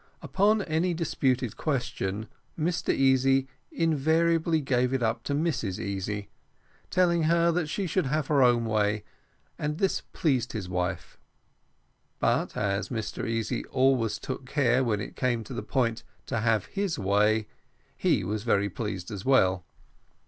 Upon any disputed question Mr Easy invariably gave it up to Mrs Easy, telling her that she should have her own way and this pleased his wife; but, as Mr Easy always took care, when it came to the point, to have his way, he was pleased as well.